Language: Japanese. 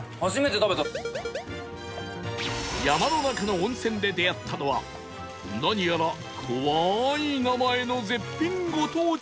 山の中の温泉で出会ったのは何やら怖い名前の絶品ご当地グルメ